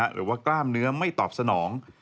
หรือว่ากล้ามเนื้อไม่ตอบสนอง